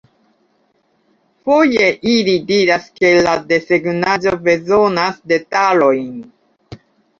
Foje, ili diras ke la desegnaĵo bezonas detalojn.